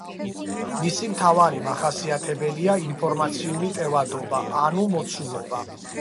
მისი მთავარი მახასიათებელია ინფორმაციული ტევადობა ანუ მოცულობა.